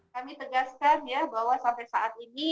kami tegaskan ya bahwa sampai saat ini